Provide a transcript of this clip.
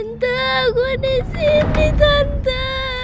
tante aku ada disini tante